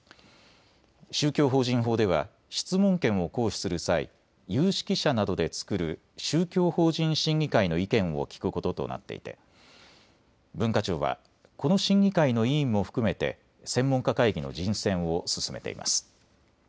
宗教法人法では質問権を行使する際、有識者などで作る宗教法人審議会の意見を聞くこととなっていて文化庁はこの審議会の委員も含めて専門家会議の人選を進めています。